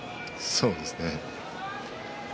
そうですね。